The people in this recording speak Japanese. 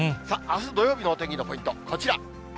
さあ、あす土曜日のお天気のポイント、こちら。